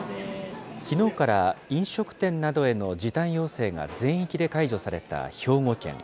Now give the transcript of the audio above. きのうから飲食店などへの時短要請が全域で解除された兵庫県。